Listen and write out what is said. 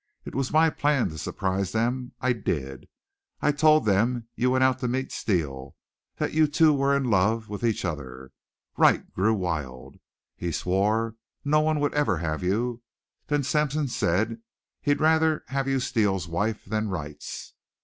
It was my plan to surprise them. I did. I told them you went out to meet Steele that you two were in love with each other. Wright grew wild. He swore no one would ever have you. Then Sampson said he'd rather have you Steele's wife than Wright's.